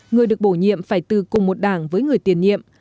người được bổ nhiệm phải từ cùng một đảng với người tiền nhiệm